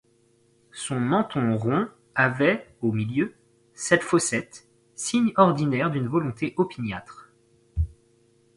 Son menton rond avait, au milieu, cette fossette, signe ordinaire d'une volonté opiniâtre.